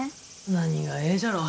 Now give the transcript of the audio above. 何がええじゃろう。